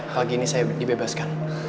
hal gini saya dibebaskan